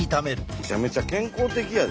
めちゃめちゃ健康的やで。